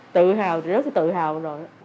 tự hào rất là tự hào rồi